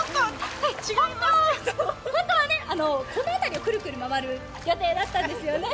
本当はこの辺りをくるくる回る予定だったんですよね。